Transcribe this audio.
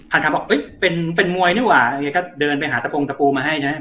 พาลคำบอกเอ้ยเป็นเป็นมวยนี่หว่าอย่างเงี้ยก็เดินไปหาตะปูมาให้ใช่ไหม